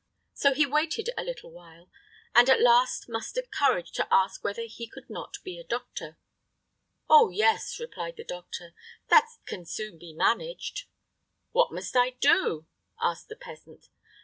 So he waited a little while, and at last mustered courage to ask whether he could not be a doctor. "Oh, yes," replied the doctor, "that can soon be managed!" "What must I do?" asked the peasant.